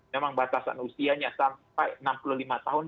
memang batasan usianya sampai enam puluh lima tahun